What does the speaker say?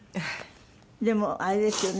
でもあれですよね。